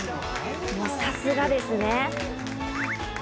さすがですね。